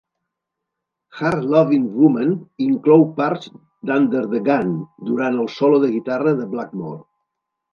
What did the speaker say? "Hard Lovin' Woman" inclou parts d'"Under the Gun" durant el solo de guitarra de Blackmore.